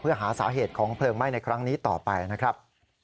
เพื่อหาสาเหตุของเพลิงไหม้ในครั้งนี้ต่อไปนะครับ